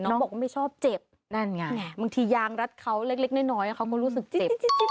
บอกว่าไม่ชอบเจ็บนั่นไงบางทียางรัดเขาเล็กน้อยเขาก็รู้สึกเจ็บ